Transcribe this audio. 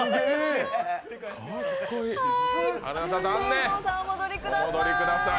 春菜さん、残念、お戻りください。